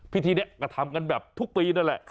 พิธีนี้ก็ทำกันแบบทุกปีนั่นแหละ